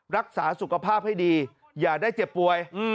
รักษาสุขภาพให้ดีอย่าได้เจ็บป่วย